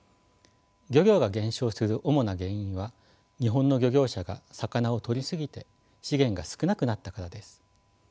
漁業が減少している主な原因は日本の漁業者が魚をとりすぎて資源が少なくなったからです。